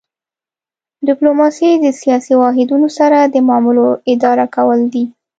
ډیپلوماسي د سیاسي واحدونو سره د معاملو اداره کول دي